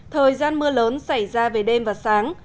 thời gian mưa lớn xảy ra về đêm và sáng